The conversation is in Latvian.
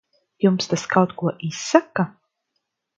Jums tas kaut ko izsaka?